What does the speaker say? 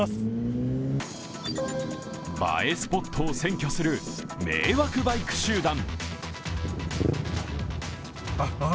映えスポットを占拠する迷惑バイク集団。